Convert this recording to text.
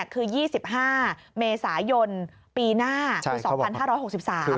คือ๒๕เมษายนปีหน้าคือ๒๕๖๓